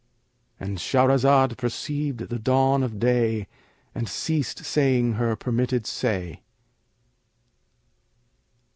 "—And Shahrazad perceived the dawn of day and ceased saying her permitted say.